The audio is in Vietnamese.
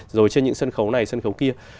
rồi trên những sân khấu này sân khấu kia